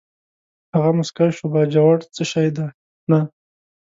هغه موسکی شو: باجوړ څه شی دی، نه.